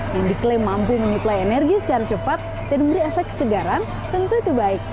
yang diklaim mampu menyuplai energi secara cepat dan memberi efek kesegaran tentu itu baik